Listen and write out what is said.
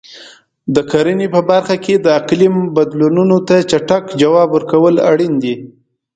د کرنې په برخه کې د اقلیم بدلونونو ته چټک ځواب ورکول اړین دي.